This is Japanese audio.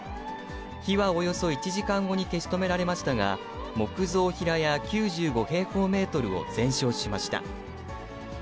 火はおよそ１時間後に消し止められましたが、木造平屋９５平方メートルを全焼しました。